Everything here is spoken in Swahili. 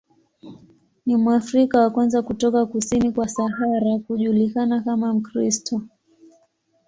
Ni Mwafrika wa kwanza kutoka kusini kwa Sahara kujulikana kama Mkristo.